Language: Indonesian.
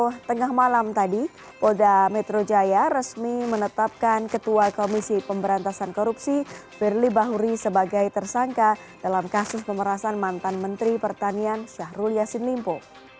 pada pukul tengah malam tadi polda metro jaya resmi menetapkan ketua komisi pemberantasan korupsi firly bahuri sebagai tersangka dalam kasus pemerasan mantan menteri pertanian syahrul yassin limpo